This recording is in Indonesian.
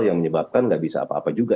yang menyebabkan nggak bisa apa apa juga